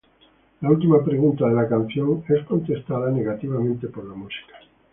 La última pregunta de la canción, es contestada negativamente por la música.